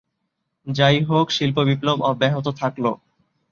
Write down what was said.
যাইহোক, শিল্প বিপ্লব অব্যাহত থাকল।